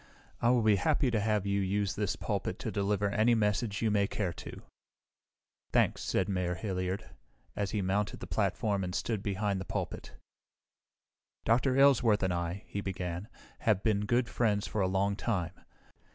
"I will be happy to have you use this pulpit to deliver any message you may care to." "Thanks," said Mayor Hilliard as he mounted the platform and stood behind the pulpit. "Dr. Aylesworth and I," he began, "have been good friends for a long time.